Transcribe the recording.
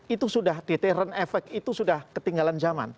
itu sudah deterrent efek itu sudah ketinggalan zaman